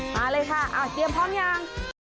มาเลยค่ะอ่าเตรียมพร้อมหรือยัง